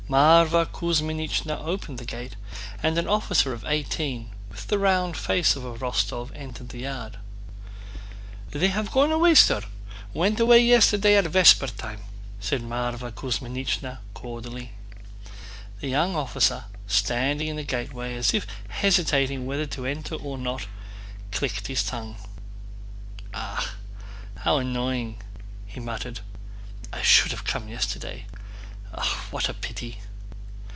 Mávra Kuzmínichna opened the gate and an officer of eighteen, with the round face of a Rostóv, entered the yard. "They have gone away, sir. Went away yesterday at vespertime," said Mávra Kuzmínichna cordially. The young officer standing in the gateway, as if hesitating whether to enter or not, clicked his tongue. "Ah, how annoying!" he muttered. "I should have come yesterday.... Ah, what a pity."